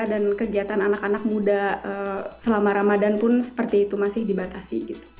dan kegiatan anak anak muda selama ramadan pun seperti itu masih dibatasi gitu